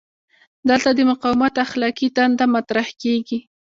دلته د مقاومت اخلاقي دنده مطرح کیږي.